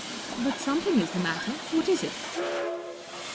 " But something is the matter. What is it